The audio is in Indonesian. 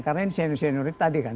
karena ini saya menurut tadi kan